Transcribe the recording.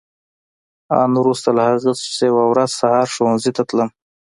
آن وروسته له هغه چې یوه ورځ سهار ښوونځي ته تلم.